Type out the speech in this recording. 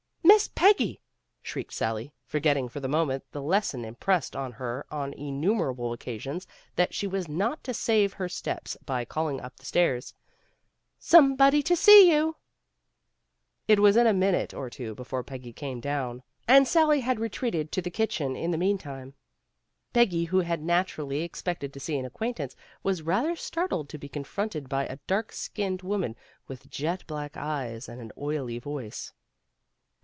"Miss Peggy," shrieked Sally, forgetting for the moment the lesson impressed on her on innumerable occasions that she was not to save her steps by calling up the stairs, "Somebody to see you." It was a minute or two before Peggy came down, and Sally had retreated to the kitchen in the meantime. Peggy who had naturally expected to see an acquaintance, was rather startled to be confronted by a dark skinned woman with jet black eyes and an oily voice.